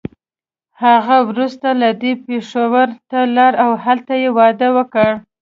هغه وروسته له دې پېښور ته لاړه او هلته يې واده وکړ.